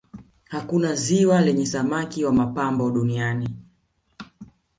hakuna ziwa lenye samaki wa mapambo duniani